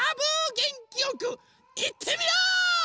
げんきよくいってみよう！